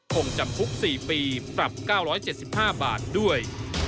คงจำคุก๔ปีปรับ๙๗๕บาทด้วย